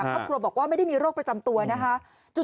ครอบครัวบอกว่าไม่ได้มีโรคประจำตัวนะคะ